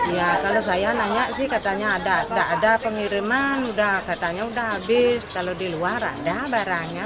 ya kalau saya nanya sih katanya ada pengiriman udah katanya udah habis kalau di luar ada barangnya